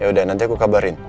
yaudah nanti aku kabarin